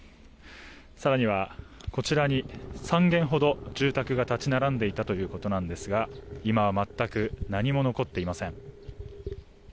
更にはこちらに３軒ほど住宅が立ち並んでいたということですが今は全く何も残っていません。